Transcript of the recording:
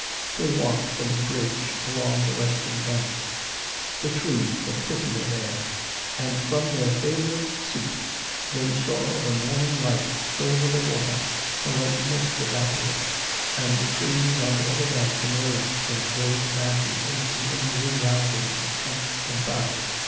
They walked from the bridge along the western bank; the trees were prettier there, and from their favourite seat they saw the morning light silver the water, the light mist evaporate, and the trees on the other bank emerge from vague masses into individualities of trunk and bough.